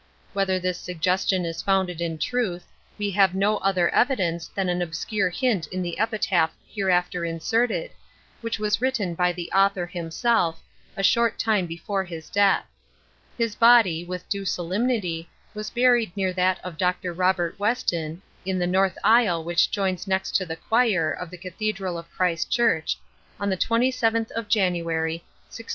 Whether this suggestion is founded in truth, we have no other evidence than an obscure hint in the epitaph hereafter inserted, which was written by the author himself, a short time before his death. His body, with due solemnity, was buried near that of Dr. Robert Weston, in the north aisle which joins next to the choir of the cathedral of Christ Church, on the 27th of January 1639 40.